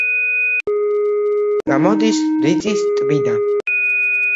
გამოდის რიწის ტბიდან.